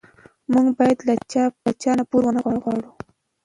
موږ باید له چا پور ونه غواړو.